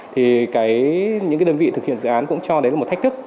thì những đơn vị thực hiện dự án cũng cho đến một thách thức